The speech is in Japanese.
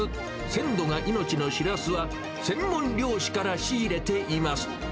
鮮度が命のシラスは、専門漁師から仕入れています。